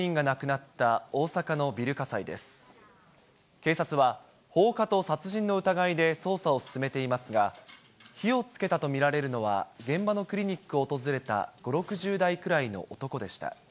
警察は、放火と殺人の疑いで捜査を進めていますが、火をつけたと見られるのは、現場のクリニックを訪れた５、６０代くらいの男でした。